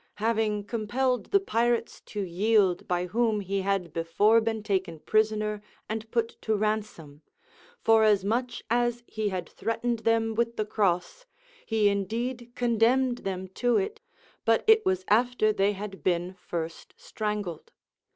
Having compelled the pirates to yield by whom he had before been taken prisoner and put to ransom; forasmuch as he had threatened them with the cross, he indeed condemned them to it, but it was after they had been first strangled.